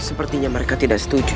sepertinya mereka tidak setuju